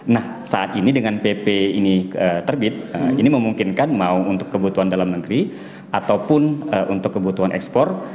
nah saat ini dengan pp ini terbit ini memungkinkan mau untuk kebutuhan dalam negeri ataupun untuk kebutuhan ekspor